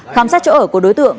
khám sát chỗ ở của đối tượng